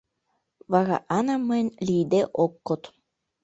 Вара Ана мыйын лийде ок код.